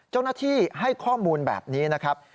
เจ้าหน้าที่ให้ข้อมูลแบบนี้นะครับ